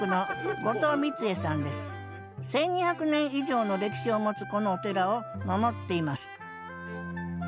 １，２００年以上の歴史を持つこのお寺を守っています。